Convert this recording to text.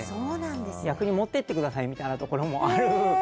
逆に持って行ってくださいみたいなところもある。